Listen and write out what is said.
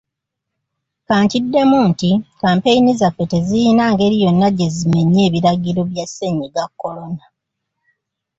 Kankiddemu nti kkampeyini zaffe tezirina ngeri yonna gye zimenya biragiro bya Ssennyiga Corona.